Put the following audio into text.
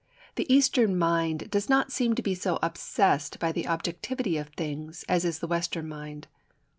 The Eastern mind does not seem to be so obsessed by the objectivity of things as is the Western mind.